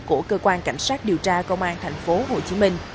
của cơ quan cảnh sát điều tra công an tp hcm